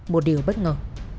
một điều bất ngờ